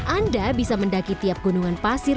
anda bisa mendaki tiap gunungan pasir